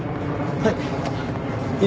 はい。